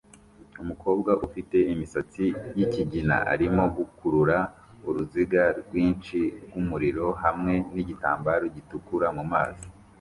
Umukobwa ufite imisatsi yikigina arimo gukurura uruziga rwinshi rwumuriro hamwe nigitambaro gitukura mumazi